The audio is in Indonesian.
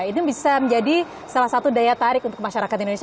ini bisa menjadi salah satu daya tarik untuk masyarakat indonesia